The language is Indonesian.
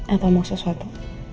atau mau sesuatu